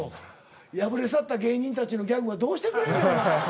敗れ去った芸人たちのギャグはどうしてくれんねんお前。